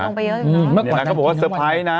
อ้าวไอ้ผีกูจะไปรู้เรื่องก็ได้ยังไง